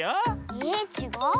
えっちがう？